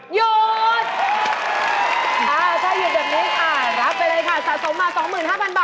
หยุด